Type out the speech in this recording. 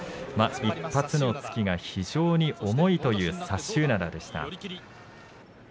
１発の突きが非常に重いという薩洲洋でした。